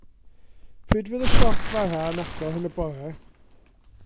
Pryd fydd y siop fara yn agor yn y bore?